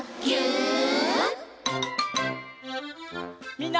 みんな。